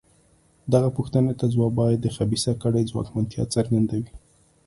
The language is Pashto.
دغې پوښتنې ته ځواب بیا د خبیثه کړۍ ځواکمنتیا څرګندوي.